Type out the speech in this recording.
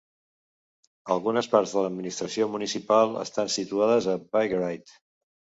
Algunes parts de l'administració municipal estan situades a Vaggeryd.